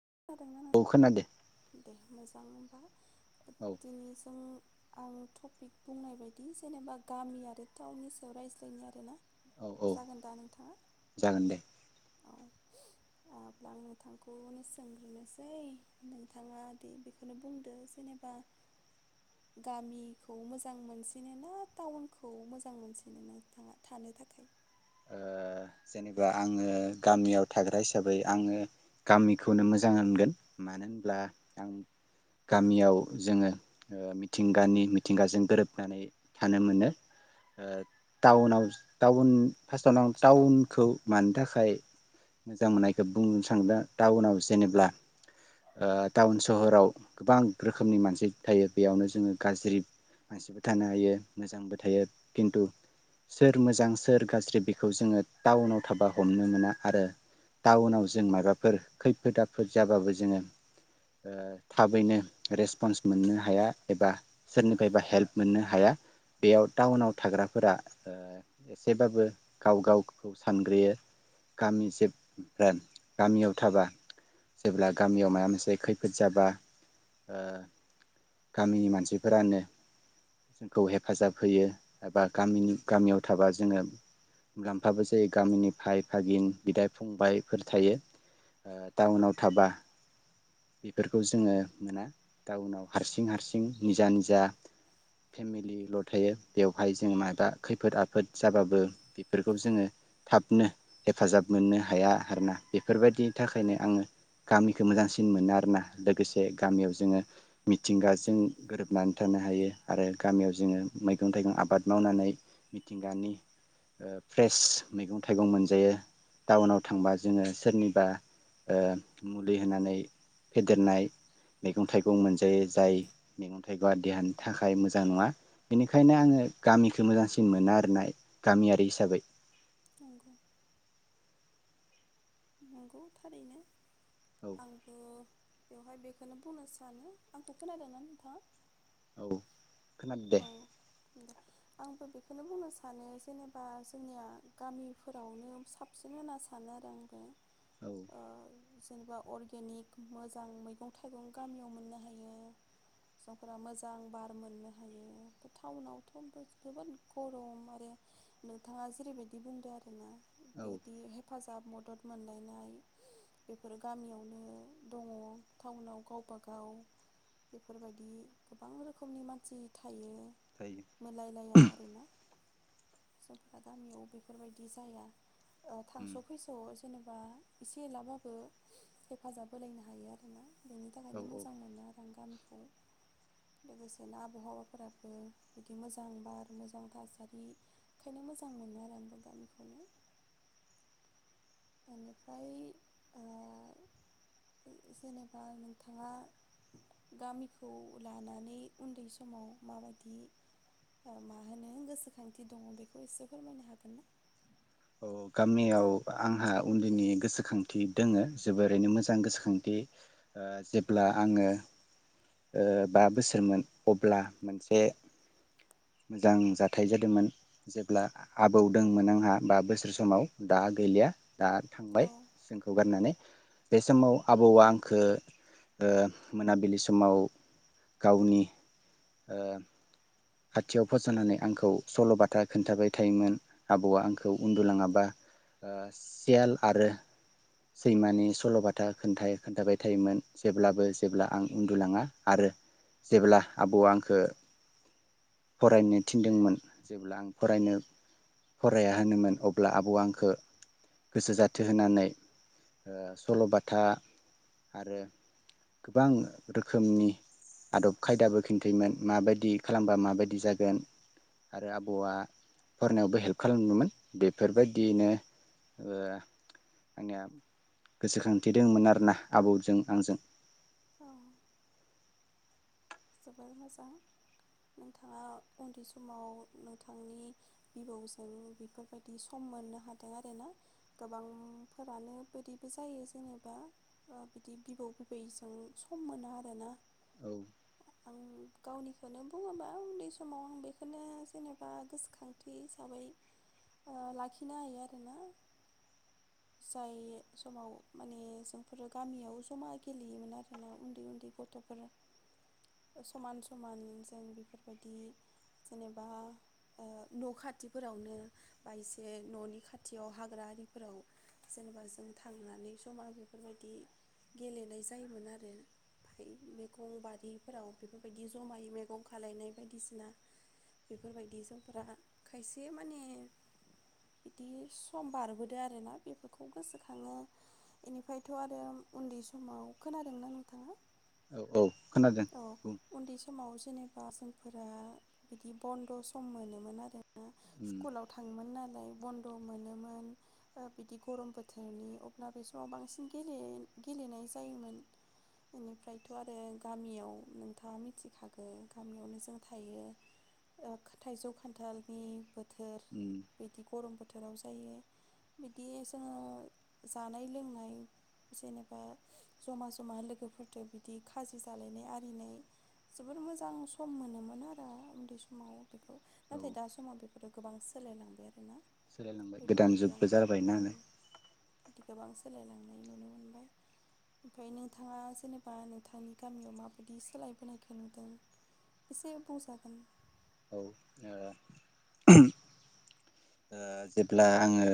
[unintelligible] औ खोनादो मोजांबा औ दिनि जों आं टपिक बुंनाय बायदि जेनेबा गामि आरो टाउननि सायाव रायज्लायगोन आरोना औ औ जागोन दा नोंथाङा जागोन दे [unintelligible] आं सोंनोसै नोंथाङा दि बेखौनो बुंदो जेनेबा गामिखौ मोजां मोनसिनो ना टाउनखौ मोजां मोनसिनो नोंथाङा थानो थाखाय ओ जेनेबा आङो गामियाव थाग्रा हिसाबै आङो गामिखौनो मोजां होनगोन मानो होनब्ला आं गामियाव जोङो ओ मिथिंगानि मिथिंगाजों गोरोबनानै थानो मोनो ओ टाउनाव टाउन फास्थआवनो आं टाउनखौ मानि थाखाय थाखाय मोजां मोननायखौ बुंनो सानदो टाउनाव जेनेबा ओ थाखाय टाउन सहराव गोबां रोखोमनि मानसि थायो बेयावनो जोङो गाज्रि मानसिबो थानो हायो मोजांबो थायो खिन्थु सोर मोजां सोर गाज्रि बि खौ जोङो टाउनाव थाबा हमनो मोना आरो टाउनाव जों माबाफोर खैफोद आफोद जाबाबो जोङो ओ थाबैनो रेसपन्स मोननो हाया एबा सोरनिफ्रायबा हेल्प मोननो हाया बेयाव टाउनाव थाग्राफोरा ओ एसेबाबो गाव गावखौ सानग्रोयो गामि जोब ओ गामियाव थाबा जेब्ला गामियाव मायबा मोनसे खैफोद जाबा ओ गामिनि मानसिफोरानो जोंखौ हेफाजाब होयो एबा गामिनि गामियाव थाबा जोङो मुलाम्फाबो जायो गामिनि फाय भागिन बिदा फंबायफोर थायो ओ टाउनाव थाबा बेफोरखौ जोङो मोना टाउनाव हारसिं हारसिं निजा निजा फेमिलिल थायो बेवहाय जों मायाबा खैफोद आफोद जाबाबो बेफोरखौ जोङो थाबनो हेफाजाब मोननो हाया आरोना बेफोरबायदिनि थाखायनो आङो गामिखौ मोजांसिन मोनो आरोना लोगोसे गामियाव जोङो मिथिंगाजों गोरोबनानै थानो हायो आरो गामियाव जोङो मैगं थाइगं आबाद मावनानै मिथिंगानि ओ फ्रेस मैगं थाइगं मोनजायो टाउनाव थांबा जोङो सोरनिबा ओ मुलि होनानै फेदेरनाय मैगं थाइगं मोनजा जायो जाय मैगं थाइगङा देहानि थाखाय मोजां नङा बेनिखायनो आङो गामिखौ मोजांसिन मोनो आरोना गामियारि हिसाबै नंगौ नंगौ थारैनो औ आंबो बेवहाय बेखौनो बुंनो सानो आंखौ खोनादोंना नोंथाङा? ओव खोनादो दे औ आंबो बेखौनो बुंनो सानो जेनेबा जोंनिया गामिफोरावनो साबसिन होनना सानो आरो आंबो औ ओ जेनेबा अर्गेनिक मोजां मैगं थाइगं गामियाव मोननो हायो जोंफोरा मोजां बार मोननो हायो बे टाउनावथ जोबोद गरम आरो नोंथाङा जेरैबायदि बुंदों आरोना औ बिदि हेफाजाब मदद मोनलायनाय बेफोरो गामियावनो दङ टाउनाव गावबागाव बेफोरबायदि गोबां रोखोमनि मानसि थायो जायो मोनलायलाया आरोना जोंफ्रा गामियाव बेफोरबायदि जाया थांस उम फैस जेनेबा एसे एलाबाबो हेफाजाब होलायनो हायो आरोना बेनि औ थाखायनो औ मोजां मोनो आरो आं गामि बे लोगोसेनो आबहावा फोराबो बिदि मोजां बार मोजां थासारि ओंखायनो मोजां मोनो आरो आंबो गामिखौनो एनिफ्राय ओ जेनेबा नोंथाङा गामिखौ लानानै उन्दै समाव माबायदि ओ मा होनो गोसोखांथि दङ बेखौ एसे फोरमायनो हागोन ना? औ गामियाव आंहा उन्दैनि गोसोखांथि दोङो जोबोरैनो मोजां गोसोखांथि ओ जेब्ला आङो ओ बा बोसोरमोन अब्ला मोनसे मोजां जाथाय जादोंमोन जेब्ला आबौ दोंमोन आंहा बा बोसोर समाव दा गैलिया। दा थांबाय औ जोंखौ गारनानै। बे समाव आबौआ आंखौ ओ मोनाबिलि समाव गावनि ओ खाथियाव फसनानै आंखौ सलबाथा खोन्थाबाय थायोमोन आबौआ आंखौ उन्दुलाङाबा ओ सियाल आरो सैमानि सलबाथा खोन्थाय खोन्थाबाय थायोमोन जेब्लाबो जेब्ला आं उन्दुलाङा आरो जेब्ला आबौवा आंखो फरायनो थिनदोंमोन जेब्ला आं फरायनो फराया होनोमोन अब्ला आबौ आंखो‌ गोसो जाथो होनानै ओ सलबाथा आरो गोबां रोखोमनि आदब खायदाबो खिन्थायोमोन माबायदि खालामबा माबायदि जागोन आरो आबौआ फरायनायावबो हेल्प खालामदोंमोन बेफोरबायदिनो ओ आंनिया गोसोखांथि दोङोमोन आरोना आबौजों आंजों। औ। जोबोर मोजां नोंथाङा उन्दै समाव नोंथांनि बिबौजों बेफोरबायदि सम मोननो हादों आरोना गोबांफोरानो बिदिबो जायो जेनेबा बिदि बिबौ बिबैजों सम मोना आरोना। औ आं गावनिखौनो बुङोबा उन्दै समाव आं बेखौनो जेनेबा गोसोखांथि हिसाबै ओ लाखिनो हायो आरोना जाय समाव माने जोंफोरो गामियाव जमा गेलेयोमोन आरोना उन्दै उन्दै गथफोर। समान समान जों बेफोरबायदि जेनेबा ओ न खाथिफोरावनो बा एसे ननि खाथियाव हाग्रा आरिफोराव जेनेबा जों थांनानै जमा बेफोरबायदि गेलेनाय जायोमोन आरो फाय मैगं बारि फोराव बेफोरबायदि जमायै मेगं खालायनाय बायदिसिना बेफोरबायदि जोंफोरा खायसे माने बिदि सम बारबोदो आरोना बेफोरखौ गोसोखाङो बेनिफ्रायथ आरो उन्दै समाव खोनादोंना नोंथाङा? औ औ। खोनादों औ बुं उन्दै समाव जेनेबा बा जोंफोरा बिदि बन्द सम मोनोमोन आरोना उम स्कुलाव थाङोमोन नालाय बन्द मोनोमोन बिदि गरम बोथोरनि अब्ला बे समाव बांसिन गेले-गेलेनाय जायोमोन बेनिफ्रायथ आरो गामियाव नोंथाङा मिथिखागोन गामियावनो जों थायो ओ थाइजौ खान्थालनि बोथोर उम बिदि गरम बोथोराव जायो बिदि जोङो जानाय लोंनाय जेनेबा जमा जमा लोगोफोरदो बिदि खाजि जालायनाय आरो [unintelligible] जोबोर मोजां सम मोनोमोन आरो उन्दै समाव बेखौ औ नाथाय दा समाव बेफोरो गोबां सोलायलांबाय आरोना। सोलायलांबाय गोदान बेफोरबायदि आं जुगबो जाबाय ओं नालाय। गोबां सोलायलांनाय नुनो मोनबाय ओमफ्राय नोंथाङा जेनेबा नोंथांनि गामियाव मा? बादि सोलायबोनायखौ नुदों एसे बुंजागोन। औ ओ ओ जेब्ला आङो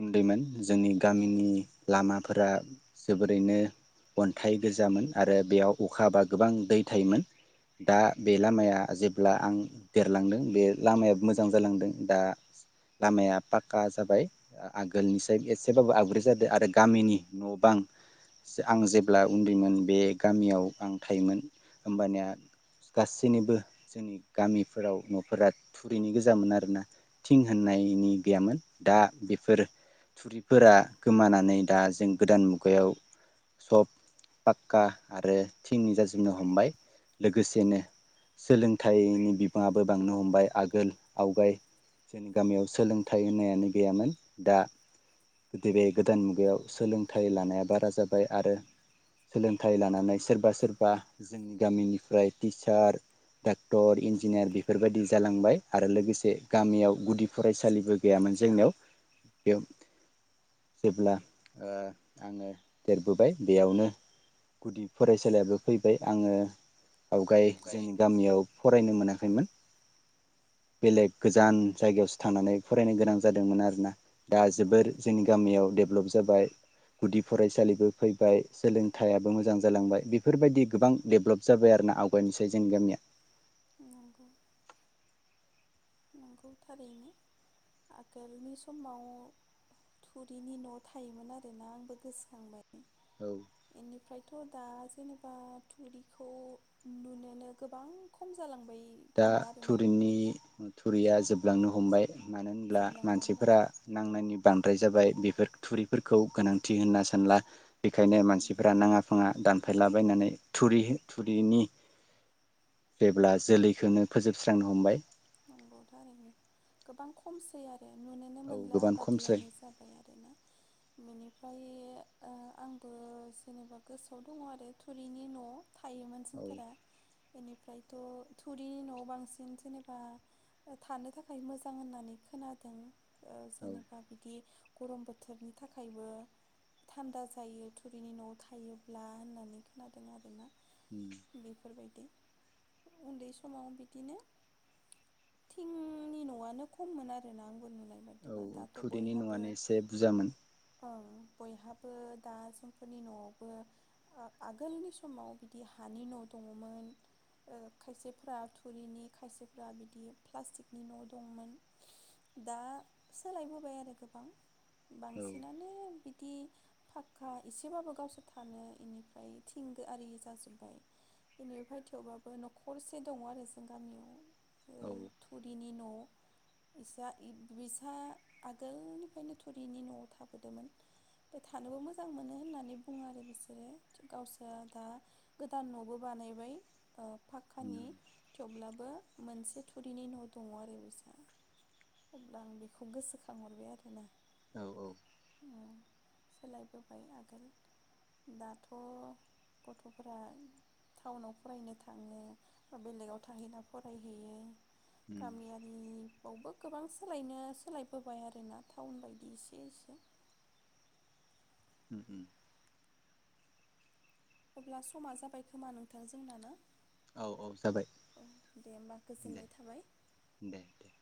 उन्दैमोन जोंनि गामिनि लामाफोरा जोबोरैनो अन्थाइ गोजामोन आरो बेयाव अखा हाबा गोबां दै थायोमोन दा बे लामाया जेब्ला आं देरलांदों बे लामायाबो मोजां जालांदों दा लामाया पाक्का जाबाय आगोलनि साय एसेबाबो आपग्रेड जादों आरो गामिनि न बां आं जेब्ला उन्दैमोन बे गामियाव आं थायोमोन होमबानिया गासैनिबो जोंनि गामिफोराव नफोरा थुरिनि गोजामोन आरोना। थिं होननायनि गैयामोन दा बेफोर थुरिफोरा गोमानानै दा जों गोदान मुगायाव सब पाक्का आरो थिंनि जाजोबनो हमबाय लोगोसेनो सोलोंथाइनि बिबाङाबो बांनो हमबाय आगोल आवगाय। जोंनि गामियाव सोलोंथाइ होन्नायानो गैयामोन दा [unintelligible] गोदान मुगायाव सोलोंथाइ लानाया बारा जाबाय आरो सोलोंथाइ लानानै सोरबा सोरबा जोंनि गामिनिफ्राय टिचार डाक्टर इन्जिनियार बेफोरबायदि जालांबाय आरो लोगोसे गामियाव गुदि फरायसा सालिबो गैयामोन जोंनियाव। बेयाव जेब्ला औ आङो देरबोबाय बेयावनो गुदि फरायसालियाबो फैबाय आङो आवगाय ओमफ्राय जोंनि गामियाव फरायनो मोनाखैमोन बेलेग गोजान जायगायावसो थांनानै फरायनो गोनां जादोंमोन आरोना। दा औ जोबोर जोंनि गामियाव दे ब्लप जाबाय गुदि फरायसालिबो फैबाय सोलोंथायाबो मोजां जालांबाय बेफोरबायदि गोबां देब्लप जाबाय आरो ना आवगायनोसै जोंनि गामिया। नंगौ। नंगौ थारैनो आगोलनि समाव थुरिनि न थायोमोन आरोना आंबो गोसोखांबाय औ बेनिफ्रायथ दा जेनेबा थुरिखौ नुनोनो गोबां खम जालांबाय। दा खोमा आरोना थुरिनि थुरिया जोबलांनो हमबाय। मानो होनब्ला जोबलांनो हमबाय मानसिफोरा नांनायनि बांद्राय जाबाय बेफोर थुरिफोरखौ गोनांथि होनना सानला। बेखायनो उम मानसिफोरा नाङा फाङा दान फायलाबायनानै थुरि थुरिनि जेब्ला जोलै खौनो फोजोबस्रांनो हमबाय नंग थारैनो गोबां खमसै आरो आरो नुनोनो औ मोनला गोबां खमसै बादियानो जाबाय आरोना बेनि ओमफ्राय ओ आंबो जेनेबा गोसोआव दङ आरो थुरिनि न थायोमोन औ जोंफोरा बेनिफ्रायथ थुरिनि नआव बांसिन जेनबा बा थानो थाखाय मोजां होननानै खोनादों औ जेनेबा बिदि गरम बोथोरनि थाखायबो थान्दा जायो थुरिनि नआव थायोब्ला होननानै खोनादों आरोना उम बेफोरबायदि उन्दै समाव बिदिनो थिंनि नआनो खममोन आरोना आंबो नुनायबायदि औ बिदिबा दाथ थुरिनि बयहाबो न'आनो एसे बुरजामोन ओं बयहाबो दा जोंफोरनि नआवबो औ आगोलनि समाव बिदि हानि न दङमोन औ खायसेफोरा थुरिनि खायसे फोरा बिदि प्लास्टिकनि न दंमोन दा सोलायबोबाय आरो गोबां औ बांसिनानो बिदि फाखका एसेबाबो गावसोर थानो एनिफ्राय थिंग आरि जाजोबबाय बेनिफाय थेवबाबो नखरसे दङ आरो जों गामियाव औ थुरिनि न न इसा इद बिसा आगोलनिफ्रायनो थुरिनि नआव थाबोदोंमोन ओमफ्राय थानोबो मोजां मोनो होननानै बुङो आरो बिसोरो गावसोरा दा गोदान नबो बानायबाय औ पाखक्कानि उम थेवब्लाबो मोनसे थुरिनि न दङ आरो बिसा अब्ला आं बेखौ गोसोखांहरबाय आरोना औ औ ओम सोलायबोबाय आगोल दाथ गथफोरा टाउनाव फरायनो थाङो बा बेलेगाव थाहैना फरायहैयो उम गामियारि बेवबो गोबां सोलायनो सोलायबोबाय आरोना टाउन बायदि एसे एसे उम अब्ला समा जाबाय खोमा नोंथां जोंना ना औ औ जाबाय औ दे होमबा दे गोजोननाय थाबाय दे दे